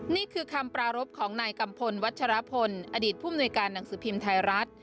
นี่คือคำปรารบของนายกัมพลวัชรพลอดีตผู้มนุยการหนังสือพิมพ์ไทยรัฐ